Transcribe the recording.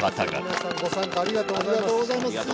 ・皆さんご参加ありがとうございます